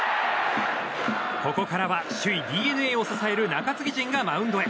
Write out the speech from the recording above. ここからは首位ＤｅＮＡを支える中継ぎ陣がマウンドへ。